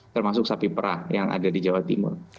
termasuk sapi perah yang ada di jawa timur